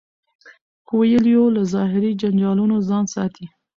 کویلیو له ظاهري جنجالونو ځان ساتي.